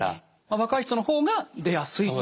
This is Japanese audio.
若い人の方が出やすいと。